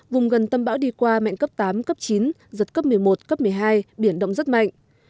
vùng gần tâm bão đi qua mạnh cấp tám cấp chín giật cấp một mươi một cấp một mươi hai biển động rất mạnh